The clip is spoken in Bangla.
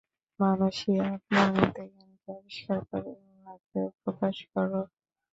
মানুষই আপনার মধ্যে জ্ঞানকে আবিষ্কার করে, উহাকে প্রকাশ করে।